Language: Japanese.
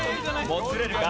もつれるか？